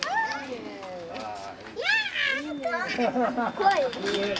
怖い？